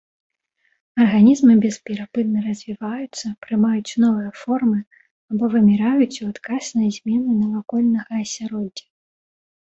Арганізмы бесперапынна развіваюцца, прымаюць новыя формы або выміраюць ў адказ на змены навакольнага асяроддзя.